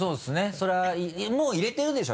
それはもう入れてるでしょ？